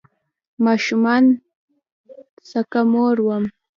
ماشومانو سکه مور وم